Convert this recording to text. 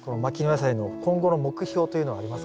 野菜の今後の目標というのはありますか？